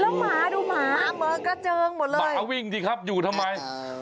แล้วหมาดูหมาเหมือกระเจิงหมดเลยหมาวิ่งสิครับอยู่ทำไม